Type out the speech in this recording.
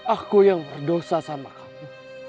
aku yang berdosa sama kamu